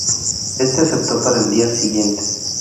Éste aceptó para el día siguiente.